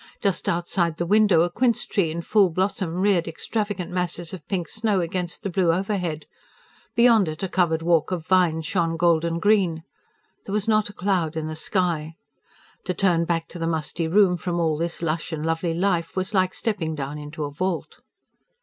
Just outside the window a quince tree in full blossom reared extravagant masses of pink snow against the blue overhead; beyond it a covered walk of vines shone golden green. There was not a cloud in the sky. To turn back to the musty room from all this lush and lovely life was like stepping down into a vault.